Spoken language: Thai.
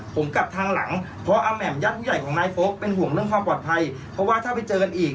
ผมกลับทางหลังเพราะอาแหม่มญาติผู้ใหญ่ของนายโฟกเป็นห่วงเรื่องความปลอดภัยเพราะว่าถ้าไปเจอกันอีก